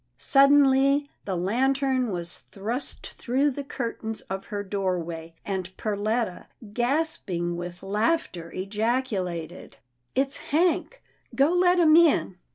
Suddenly the lantern was thrust through the curtains of her doorway, and Perletta, gasping with laughter, ejaculated, " It's Hank — go let him in."